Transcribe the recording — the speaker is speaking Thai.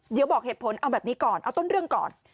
เดี๋ยวบอกเหตุผลเอาแบบนี้ก่อนเอาต้นเรื่องก่อน